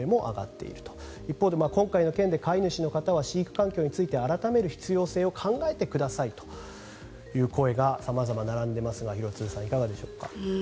一方で今回の件で飼い主の方は飼育環境について改める必要性を考えてくださいという声が様々並んでいますが廣津留さん、いかがでしょうか。